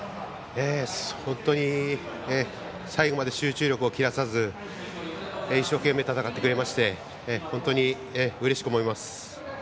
本当に最後まで集中力を切らさず一生懸命戦ってくれまして本当にうれしく思います。